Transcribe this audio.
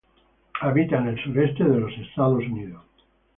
Habita en el Sureste de Estados Unidos.